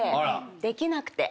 できなくて。